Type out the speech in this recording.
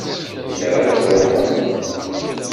Anda ara truḥeḍ?